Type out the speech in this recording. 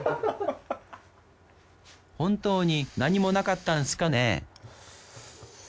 本当に何もなかったんすかね？